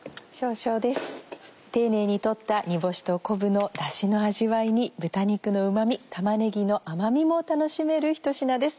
丁寧に取った煮干しと昆布のダシの味わいに豚肉のうま味玉ねぎの甘みも楽しめるひと品です。